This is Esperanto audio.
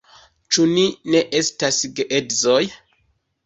Ĉu ni ne estas geedzoj?